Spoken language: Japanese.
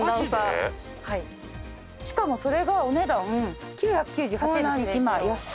しかもそれがお値段９９８円です